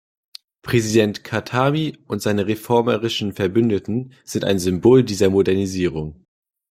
Präsident Khatami und seine reformerischen Verbündeten sind ein Symbol dieser Modernisierung.